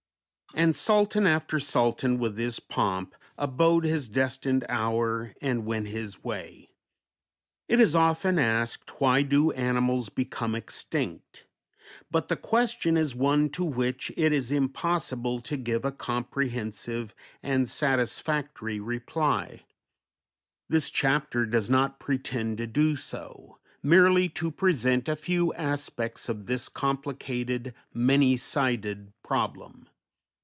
"And Sultan after Sultan with his Pomp Abode his destined Hour and went his way." It is often asked "why do animals become extinct?" but the question is one to which it is impossible to give a comprehensive and satisfactory reply; this chapter does not pretend to do so, merely to present a few aspects of this complicated, many sided problem.